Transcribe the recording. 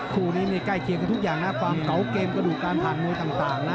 คู่นี้ในใกล้เคียงกับทุกอย่างความเกาะเกมห์กระดูกจากถ่ายมวยต่างนะ